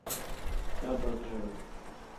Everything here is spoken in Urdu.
کیا بک رہے ہو؟